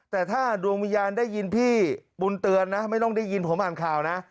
แต่ถ้าดวงวิญญาณได้ยินพี่บุญเตือนนะไม่ต้องได้ยินผมอ่านข่าวนะ